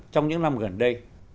trong những năm gần đây